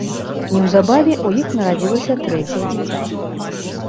Неўзабаве ў іх нарадзілася трэцяе дзіця.